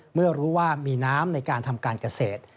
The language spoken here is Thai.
เมื่อรู้ว่ามีน้ำในการทำการเกษตร